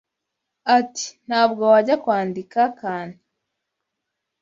Ati “ Ntabwo wajya kwandika Kanti